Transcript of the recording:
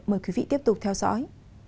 mời quý vị tiếp tục theo dõi